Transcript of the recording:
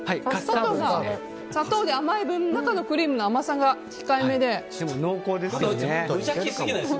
砂糖で甘い分、中のクリームの甘さが控えめで。